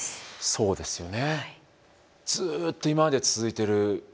そうですね。